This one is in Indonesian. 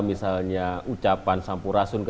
misalnya ucapan sampurasundara